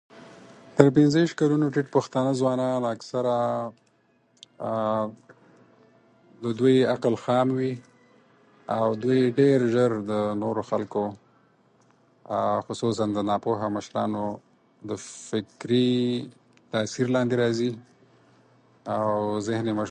تر پنځه ویشت کلنو ټیټ پښتانه ځوانان اکثره د دوی عقل خام وي، او دوی ډیر ژر د نورو خلکو خصوصاً د ناپوهه مشرانو د فکري تاثیر لاندې راځي او ذهن یې مشغ